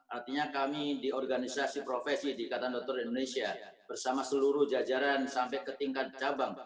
artinya kami di organisasi profesi di ikatan dokter indonesia bersama seluruh jajaran sampai ke tingkat cabang